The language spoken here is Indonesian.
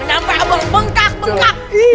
sampai abang bengkak bengkak